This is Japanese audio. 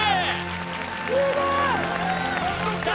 ・すごい！